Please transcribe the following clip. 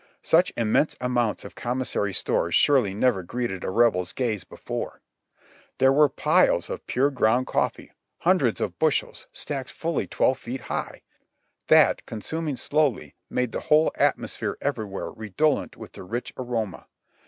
Such im mense amounts of commissary stores surely never greeted a Rebel's gaze before ! There were piles of pure ground cofTee — hundreds of bushels, stacked fully twelve feet high — that, con suming slowly, made the whole atmosphere everywhere redolent with the rich aroma.